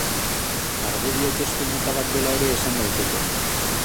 Argudio-testu mota bat dela ere esan daiteke.